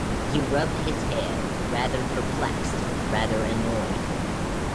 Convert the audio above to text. He rubbed his head, rather perplexed, rather annoyed.